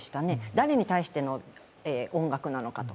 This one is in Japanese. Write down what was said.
誰に対しての音楽なのか。